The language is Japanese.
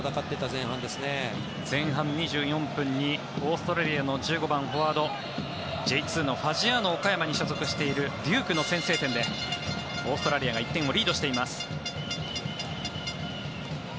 前半２４分にオーストラリアの１５番フォワードＪ２のファジアーノ岡山に所属しているデュークの先制点でオーストラリアが１点をリードしています。